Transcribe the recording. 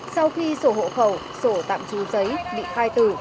sau khi sổ hộ khẩu sổ tạm trú giấy bị khai tử